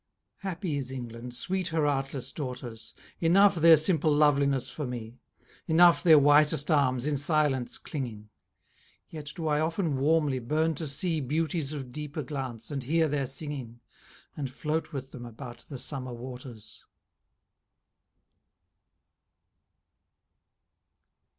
Happy is England, sweet her artless daughters; Enough their simple loveliness for me, Enough their whitest arms in silence clinging: Yet do I often warmly burn to see Beauties of deeper glance, and hear their singing, And float with them about the summer waters.